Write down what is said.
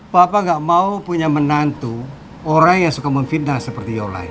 papa gak mau punya menantu orang yang suka memfitnah seperti yang lain